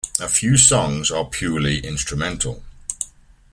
A few songs are purely instrumental.